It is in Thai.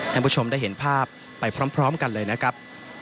ท่านผู้ชมได้เห็นภาพไปพร้อมกันเลยนะครับ